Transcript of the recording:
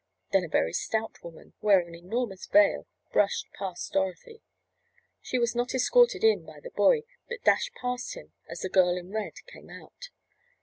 Then a very stout woman, wearing an enormous veil brushed past Dorothy. She was not escorted in by the boy, but dashed past him as the girl in red came out.